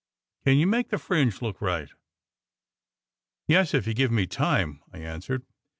Can you make the fringe look right?" "Yes, if you give me time," I answered.